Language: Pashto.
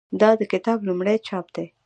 دا د کتاب لومړی چاپ دی.